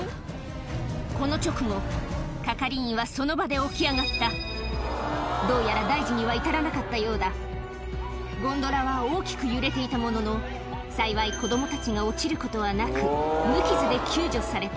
この直後係員はその場で起き上がったどうやら大事には至らなかったようだゴンドラは大きく揺れていたものの幸い子供たちが落ちることはなく無傷で救助された